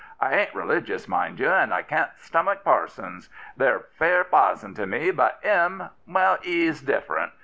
" I ain't religious, mind you, and I can't stomach parsons. They're fair pizen to me; but 'im — well, 'e's different.